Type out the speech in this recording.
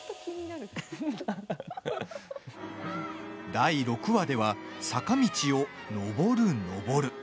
第６話では、坂道を上る上る。